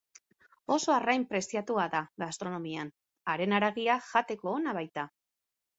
Oso arrain preziatua da gastronomian, haren haragia jateko ona baita.